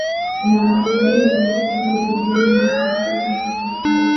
na mataifa makuu duniani na kufikia mwafaka huo